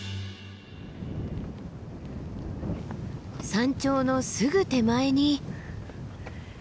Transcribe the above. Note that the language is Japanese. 山頂のすぐ手前に。